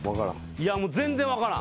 いやもう全然分からん。